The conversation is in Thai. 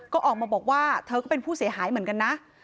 ก็ออกมาบอกว่าเธอก็เป็นผู้เสียหายเหมือนกันนะ